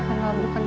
karena bukan kacau